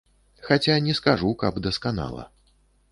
Хаця не скажу, каб дасканала.